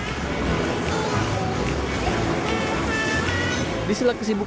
melainkan juga tugas orang ayah